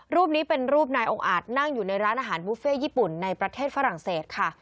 รูปนี้เป็นรูปนายองค์อาจนั่งอยู่ในร้านอาหารบุฟเฟ่ญี่ปุ่นในประเทศฝรั่งเศสค่ะ